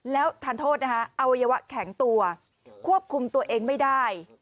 แล้วทานโทษนะคะอวัยวะแข็งตัวควบคุมตัวเองไม่ได้